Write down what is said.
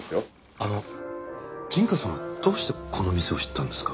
あの陣川さんはどうしてこの店を知ったんですか？